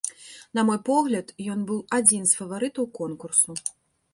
На мой погляд, ён быў адзін з фаварытаў конкурсу.